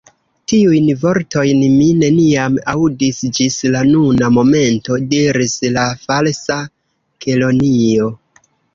"Tiujn vortojn mi neniam aŭdis ĝis la nuna momento," diris la Falsa Kelonio.